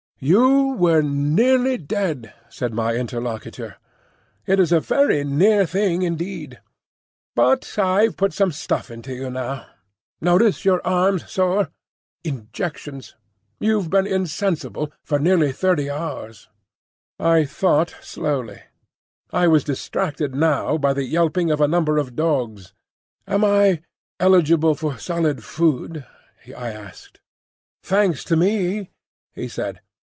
"You were nearly dead," said my interlocutor. "It was a very near thing, indeed. But I've put some stuff into you now. Notice your arm's sore? Injections. You've been insensible for nearly thirty hours." I thought slowly. (I was distracted now by the yelping of a number of dogs.) "Am I eligible for solid food?" I asked. "Thanks to me," he said.